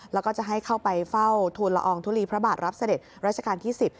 แล้วก็จะให้เข้าไปเฝ้าทูลละอองทุลีพระบาทรับเสด็จราชการที่๑๐